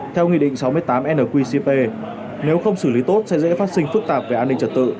theo nghị định sáu mươi tám nqcp nếu không xử lý tốt sẽ dễ phát sinh phức tạp về an ninh trật tự